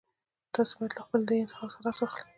تاسو بايد له خپل دې انتخاب څخه لاس واخلئ.